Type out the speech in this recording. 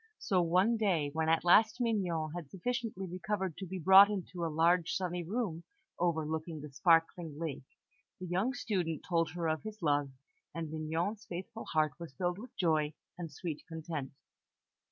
So, one day, when at last Mignon had sufficiently recovered to be brought into a large, sunny room overlooking the sparkling lake, the young student told her of his love, and Mignon's faithful heart was filled with joy and sweet content.